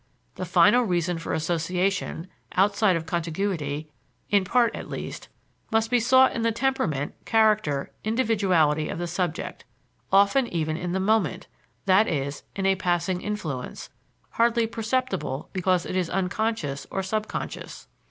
The final reason for association (outside of contiguity, in part at least) must be sought in the temperament, character, individuality of the subject, often even in the moment; that is, in a passing influence, hardly perceptible because it is unconscious or subconscious.